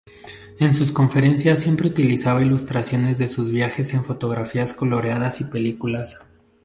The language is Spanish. En sus conferencias siempre utilizaba ilustraciones de sus viajes en fotografías coloreadas y películas.